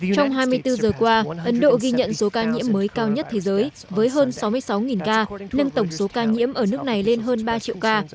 trong hai mươi bốn giờ qua ấn độ ghi nhận số ca nhiễm mới cao nhất thế giới với hơn sáu mươi sáu ca nâng tổng số ca nhiễm ở nước này lên hơn ba triệu ca